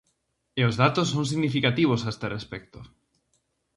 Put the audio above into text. E os datos son significativos a este respecto.